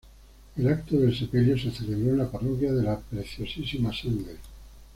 El acto del sepelio se celebró en la parroquia de la Preciosísima Sangre.